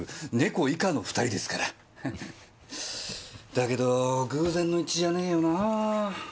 だけど偶然の一致じゃねえよな。